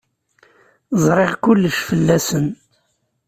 Zṛiɣ kullec fell-asen.